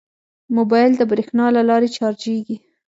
موبایل د بریښنا له لارې چارجېږي.